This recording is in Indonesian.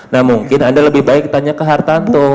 nah mungkin anda lebih baik tanya ke hartanto